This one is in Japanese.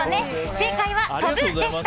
正解は「飛」でした。